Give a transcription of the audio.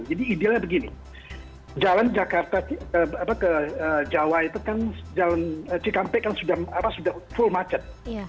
jadi idealnya begini jalan jakarta ke jawa itu kan cikampek kan sudah full macet